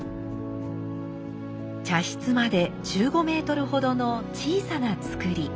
茶室まで１５メートルほどの小さな作り。